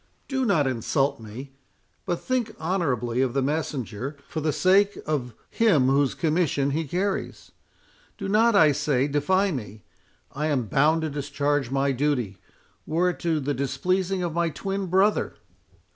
—"Do not insult me; but think honourably of the messenger, for the sake of Him whose commission he carries.—Do not, I say, defy me—I am bound to discharge my duty, were it to the displeasing of my twin brother."